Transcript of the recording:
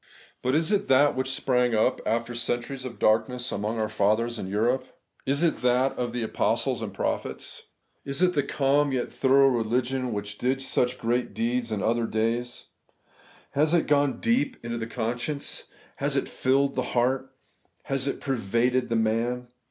But is it that which sprang up, after centuries of darkness, among our fathers in Europe? Is it that of \ Preface, vii apostles and prophets ? Is it the calm yet thorough religion which did such great deeds in other days ? Has it gone deep into the conscience? Has it filled the heart ? Has it pervaded the man